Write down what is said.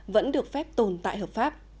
vẫn được phép tồn tại hợp pháp